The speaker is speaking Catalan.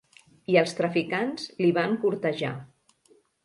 I els traficants li van cortejar.